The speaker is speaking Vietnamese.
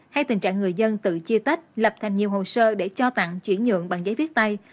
hay tình trạng người dân tự chia tách lập thành nhiều hồ sơ để cho tặng chuyển nhượng bằng giấy viết tay